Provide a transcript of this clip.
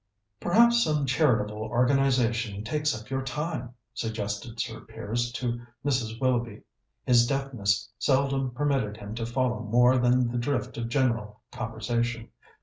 "Perhaps some charitable organization takes up your time," suggested Sir Piers to Mrs. Willoughby. His deafness seldom permitted him to follow more than the drift of general conversation.